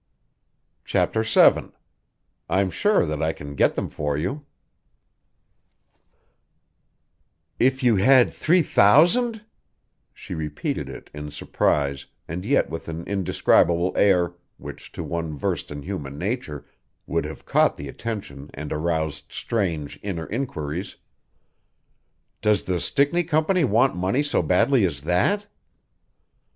CHAPTER VII "I'm sure that I can get them for you" "If you had three thousand!" She repeated it in surprise and yet with an indescribable air, which to one versed in human nature would have caught the attention and aroused strange inner inquiries. "Does the Stickney Company want money so badly as that?"